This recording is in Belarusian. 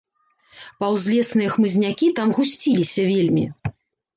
Паўзлесныя хмызнякі там гусціліся вельмі.